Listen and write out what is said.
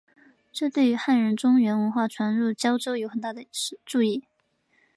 这对于汉人中原文化传入交州有很大的助益。